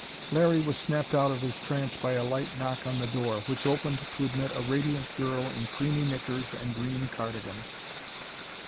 Larry was snapped out of his trance by a light knock on the door, which opened to admit a radiant girl in creamy knickers and green cardigan.